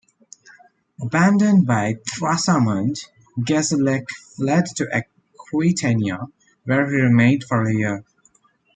Abandoned by Thrasamund, Gesalec fled to Aquitania, where he remained for a year.